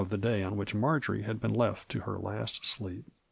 107 the day on which Marjory had been left to her last sleep.